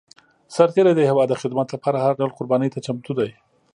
سرتېری د هېواد د خدمت لپاره هر ډول قرباني ته چمتو دی.